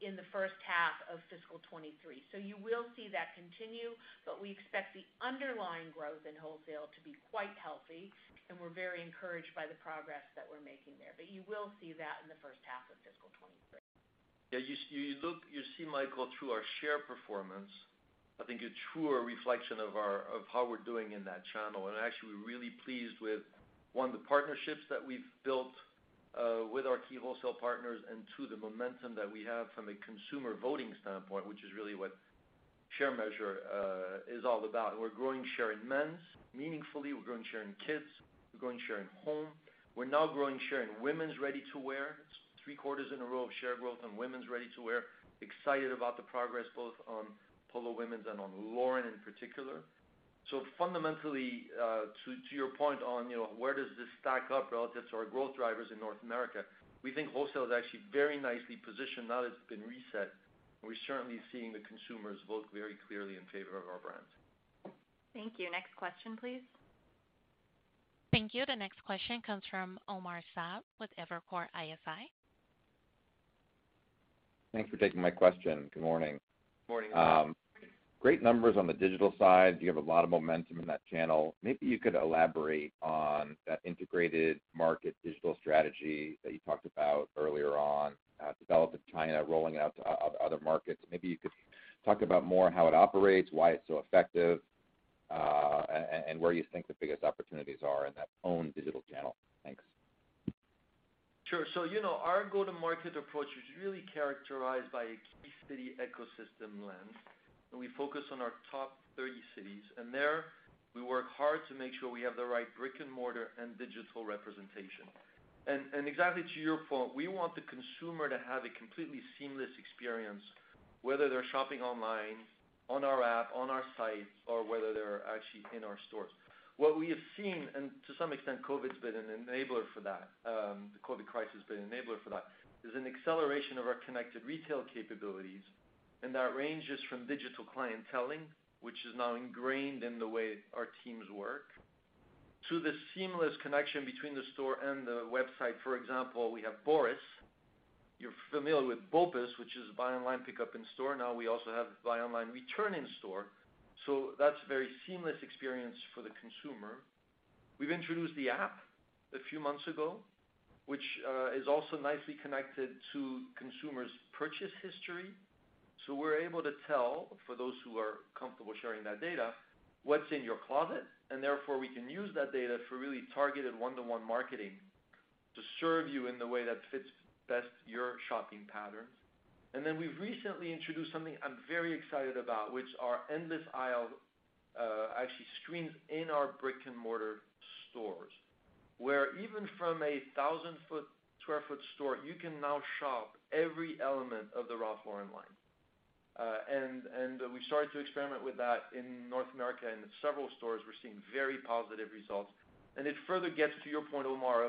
in the first half of fiscal 2023. You will see that continue, but we expect the underlying growth in wholesale to be quite healthy, and we're very encouraged by the progress that we're making there. You will see that in the first half of fiscal 2023. You see Michael, through our share performance, I think a truer reflection of our—of how we're doing in that channel. Actually we're really pleased with, one, the partnerships that we've built with our key wholesale partners, and two, the momentum that we have from a consumer voting standpoint, which is really what share measure is all about. We're growing share in men's meaningfully. We're growing share in kids. We're growing share in home. We're now growing share in women's ready to wear. Three quarters in a row of share growth on women's ready to wear. Excited about the progress both on Polo women's and on Lauren in particular. Fundamentally, to your point on, you know, where does this stack up relative to our growth drivers in North America, we think wholesale is actually very nicely positioned now that it's been reset. We're certainly seeing the consumers vote very clearly in favor of our brands. Thank you. Next question, please. Thank you. The next question comes from Omar Saad with Evercore ISI. Thanks for taking my question. Good morning. Morning. Great numbers on the digital side. You have a lot of momentum in that channel. Maybe you could elaborate on that integrated market digital strategy that you talked about earlier on, developed in China, rolling it out to other markets. Maybe you could talk about more how it operates, why it's so effective, and where you think the biggest opportunities are in that own digital channel. Thanks. Sure. You know, our go-to-market approach is really characterized by a key city ecosystem lens, and we focus on our top 30 cities. There we work hard to make sure we have the right brick-and-mortar and digital representation. And exactly to your point, we want the consumer to have a completely seamless experience, whether they're shopping online, on our app, on our site, or whether they're actually in our stores. What we have seen, and to some extent, the COVID crisis has been an enabler for that, is an acceleration of our connected retail capabilities. That ranges from digital clienteling, which is now ingrained in the way our teams work. To the seamless connection between the store and the website, for example, we have BORIS. You're familiar with BOPUS, which is buy online, pickup in store. Now we also have buy online, return in store. That's a very seamless experience for the consumer. We've introduced the app a few months ago, which is also nicely connected to consumers' purchase history. We're able to tell, for those who are comfortable sharing that data, what's in your closet, and therefore we can use that data for really targeted one-to-one marketing to serve you in the way that fits best your shopping patterns. We've recently introduced something I'm very excited about, which are endless aisle actually screens in our brick-and-mortar stores, where even from a 1,000-square-foot store, you can now shop every element of the Ralph Lauren line. We started to experiment with that in North America, and several stores we're seeing very positive results. It further gets to your point, Omar,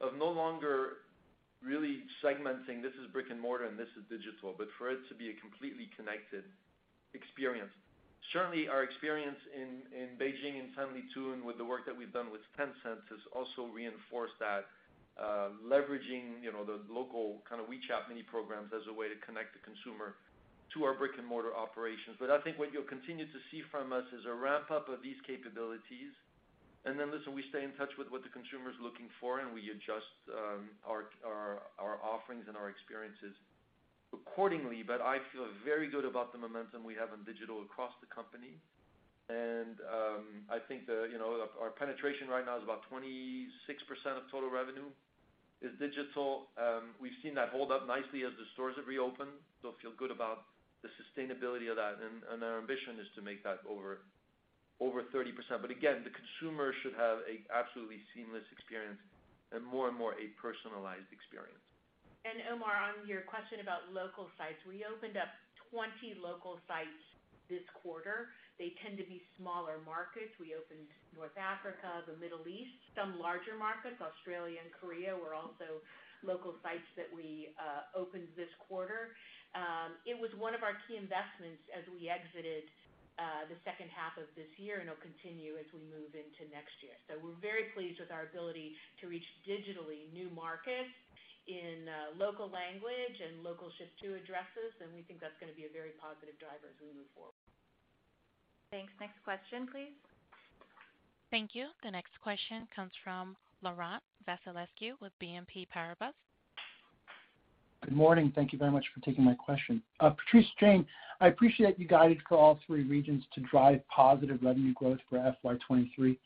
of no longer really segmenting this as brick and mortar and this is digital, but for it to be a completely connected experience. Certainly, our experience in Beijing, in Sanlitun with the work that we've done with Tencent has also reinforced that, leveraging you know, the local kinda WeChat mini programs as a way to connect the consumer to our brick-and-mortar operations. I think what you'll continue to see from us is a ramp-up of these capabilities. Then listen, we stay in touch with what the consumer is looking for, and we adjust our our offerings and our experiences accordingly. I feel very good about the momentum we have in digital across the company. I think, you know, our penetration right now is about 26% of total revenue is digital. We've seen that hold up nicely as the stores have reopened, so feel good about the sustainability of that, and our ambition is to make that over 30%. Again, the consumer should have an absolutely seamless experience and more and more a personalized experience. Omar, on your question about local sites, we opened up 20 local sites this quarter. They tend to be smaller markets. We opened North Africa, the Middle East, some larger markets. Australia and Korea were also local sites that we opened this quarter. It was one of our key investments as we exited the second half of this year, and it'll continue as we move into next year. We're very pleased with our ability to reach digitally new markets in local language and local ship to addresses, and we think that's going to be a very positive driver as we move forward. Thanks. Next question, please. Thank you. The next question comes from Laurent Vasilescu with BNP Paribas. Good morning. Thank you very much for taking my question. Patrice, Jane, I appreciate your guidance for all three regions to drive positive revenue growth for FY 2023.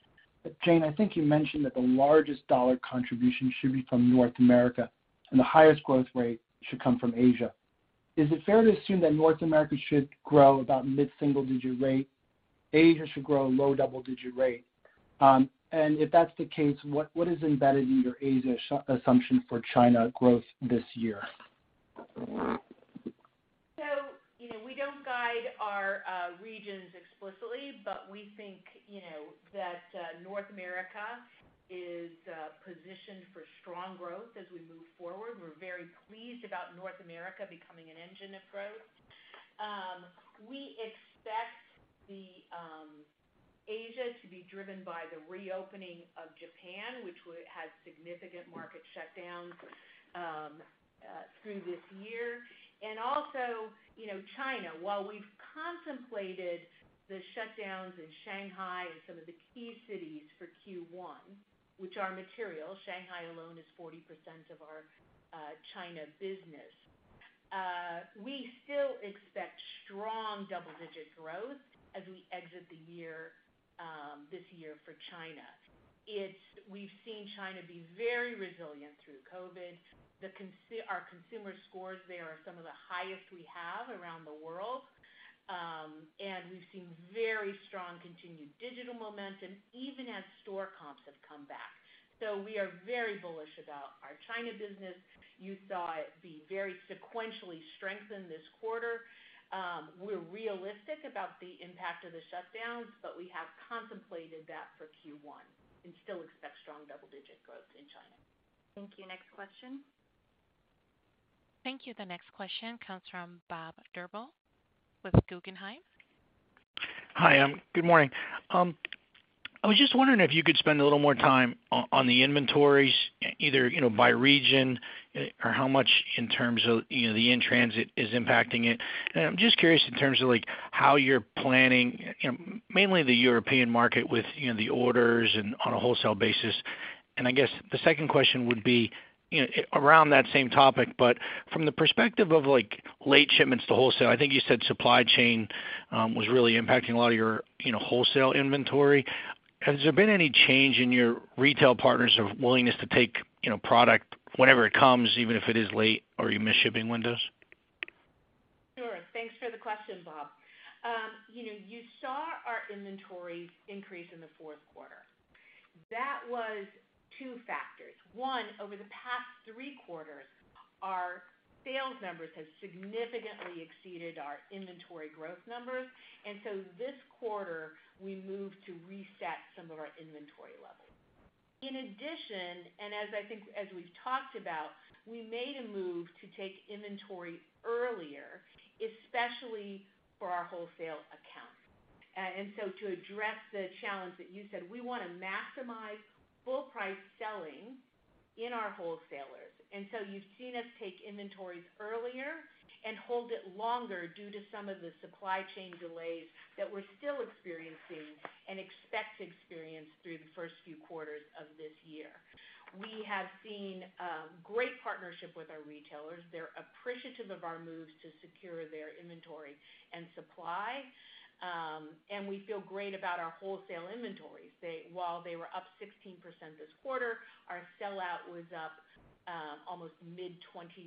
Jane, I think you mentioned that the largest dollar contribution should be from North America, and the highest growth rate should come from Asia. Is it fair to assume that North America should grow about mid-single-digit rate, Asia should grow low double-digit rate? If that's the case, what is embedded in your Asia assumption for China growth this year? You know, we don't guide our regions explicitly, but we think, you know, that North America is positioned for strong growth as we move forward. We're very pleased about North America becoming an engine of growth. We expect Asia to be driven by the reopening of Japan, which had significant market shutdowns through this year. Also, you know, China, while we've contemplated the shutdowns in Shanghai and some of the key cities for Q1, which are material, Shanghai alone is 40% of our China business, we still expect strong double-digit growth as we exit the year, this year for China. We've seen China be very resilient through COVID. Our consumer scores there are some of the highest we have around the world. We've seen very strong continued digital momentum, even as store comps have come back. We are very bullish about our China business. You saw it be very sequentially strengthened this quarter. We're realistic about the impact of the shutdowns, but we have contemplated that for Q1 and still expect strong double-digit growth in China. Thank you. Next question. Thank you. The next question comes from Bob Drbul with Guggenheim. Hi, good morning. I was just wondering if you could spend a little more time on the inventories, either, you know, by region or how much in terms of, you know, the in-transit is impacting it. I'm just curious in terms of like how you're planning, you know, mainly the European market with, you know, the orders and on a wholesale basis. I guess the second question would be, you know, around that same topic, but from the perspective of like late shipments to wholesale. I think you said supply chain was really impacting a lot of your, you know, wholesale inventory. Has there been any change in your retail partners or willingness to take, you know, product whenever it comes, even if it is late or you miss shipping windows? Sure. Thanks for the question, Bob. You know, you saw our inventories increase in the fourth quarter. That was two factors. One, over the past three quarters, our sales numbers have significantly exceeded our inventory growth numbers. This quarter, we moved to reset some of our inventory levels. In addition, as I think as we've talked about, we made a move to take inventory earlier, especially for our wholesale accounts. To address the challenge that you said, we want to maximize full price selling in our wholesalers. You've seen us take inventories earlier and hold it longer due to some of the supply chain delays that we're still experiencing and expect to experience through the first few quarters of this year. We have seen great partnership with our retailers. They're appreciative of our moves to secure their inventory and supply. We feel great about our wholesale inventories. While they were up 16% this quarter, our sellout was up almost mid-20%.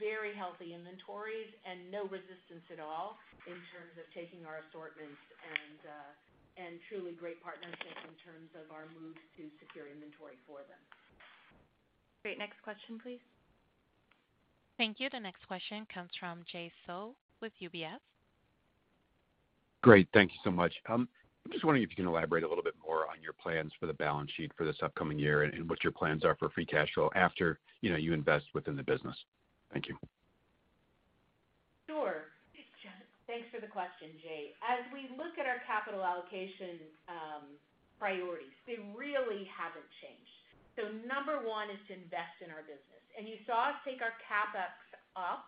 Very healthy inventories and no resistance at all in terms of taking our assortments and truly great partnerships in terms of our moves to secure inventory for them. Great. Next question, please. Thank you. The next question comes from Jay Sole with UBS. Great. Thank you so much. I'm just wondering if you can elaborate a little bit more on your plans for the balance sheet for this upcoming year and what your plans are for free cash flow after, you know, you invest within the business. Thank you. Sure. Thanks for the question, Jay. As we look at our capital allocation, priorities, they really haven't changed. Number one is to invest in our business. You saw us take our CapEx up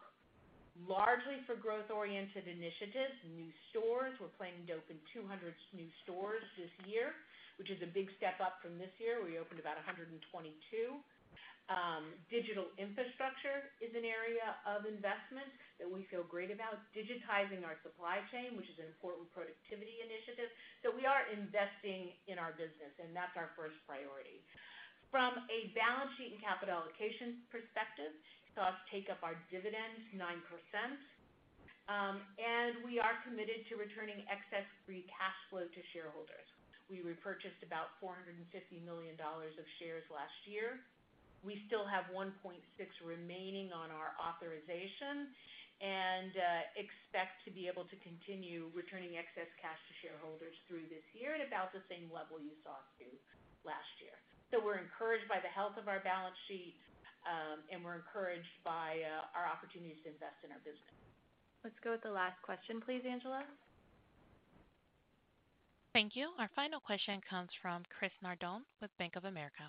largely for growth-oriented initiatives, new stores. We're planning to open 200 new stores this year, which is a big step up from this year. We opened about 122. Digital infrastructure is an area of investment that we feel great about. Digitizing our supply chain, which is an important productivity initiative. We are investing in our business, and that's our first priority. From a balance sheet and capital allocation perspective, you saw us take up our dividends 9%. We are committed to returning excess free cash flow to shareholders. We repurchased about $450 million of shares last year. We still have 1.6 remaining on our authorization, and expect to be able to continue returning excess cash to shareholders through this year at about the same level you saw through last year. We're encouraged by the health of our balance sheet, and we're encouraged by our opportunities to invest in our business. Let's go with the last question, please, Angela. Thank you. Our final question comes from Christopher Nardone with Bank of America.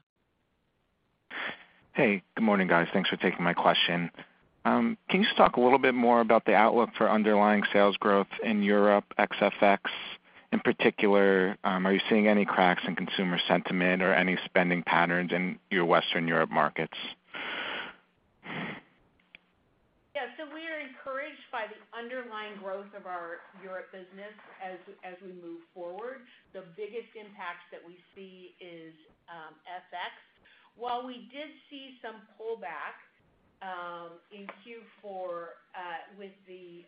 Hey, good morning, guys. Thanks for taking my question. Can you just talk a little bit more about the outlook for underlying sales growth in Europe, ex FX in particular? Are you seeing any cracks in consumer sentiment or any spending patterns in your Western Europe markets? Yeah. We are encouraged by the underlying growth of our Europe business as we move forward. The biggest impact that we see is FX. While we did see some pullback in Q4 with the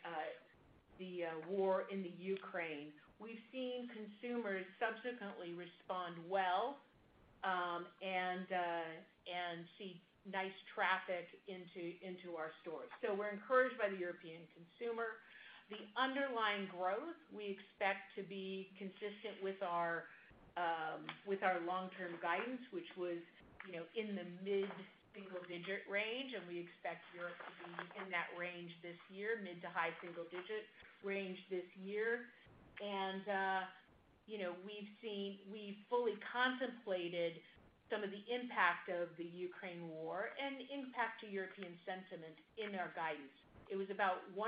war in the Ukraine, we've seen consumers subsequently respond well and see nice traffic into our stores. We're encouraged by the European consumer. The underlying growth we expect to be consistent with our long-term guidance, which was, you know, in the mid-single digit range, and we expect Europe to be in that range this year, mid to high single digit range this year. We've fully contemplated some of the impact of the Ukraine war and the impact to European sentiment in our guidance. It was about 1%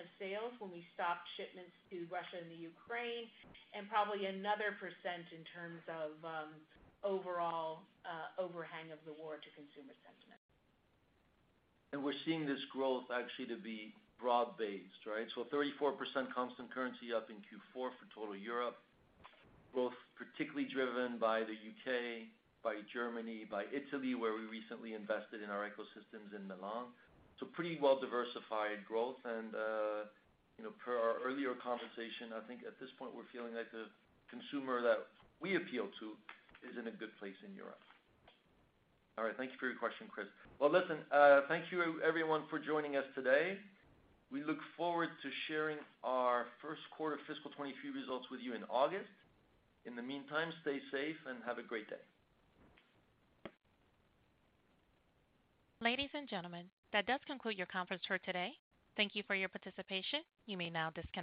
of sales when we stopped shipments to Russia and the Ukraine, and probably another % in terms of overall overhang of the war to consumer sentiment. We're seeing this growth actually to be broad-based, right? Thirty-four percent constant currency up in Q4 for total Europe, both particularly driven by the U.K., by Germany, by Italy, where we recently invested in our ecosystems in Milan. Pretty well-diversified growth. You know, per our earlier conversation, I think at this point we're feeling like the consumer that we appeal to is in a good place in Europe. All right. Thank you for your question, Chris. Thank you everyone for joining us today. We look forward to sharing our first quarter fiscal 2023 results with you in August. In the meantime, stay safe and have a great day. Ladies and gentlemen, that does conclude your conference for today. Thank you for your participation. You may now disconnect.